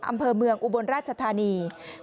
อำเภอเมืองอุบลราชธานี